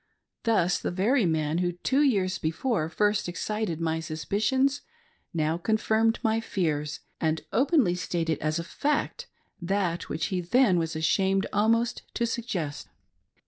Thus the very man who, two years before, first excited my suspicions, now confirmed my fears, and openly stated as a fact, that which he then was ashamed almost to suggest.